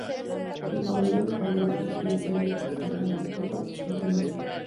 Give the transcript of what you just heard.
El pabellón español recibió el Premio Especial a la mejor participación nacional.